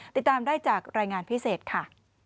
ติดตามได้จากรายงานพิเศษค่ะ